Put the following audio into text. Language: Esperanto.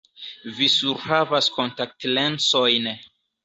Vi surhavas kontaktlensojn.